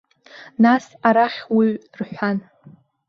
Нас, арахь уҩ рҳәан.